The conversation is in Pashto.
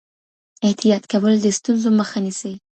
احتیاط کول د ستونزو مخه نیسي.